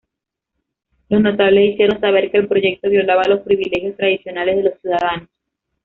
Los notables hicieron saber que el proyecto violaba los privilegios tradicionales de los ciudadanos.